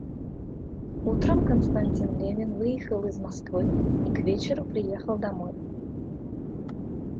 Утром Константин Левин выехал из Москвы и к вечеру приехал домой.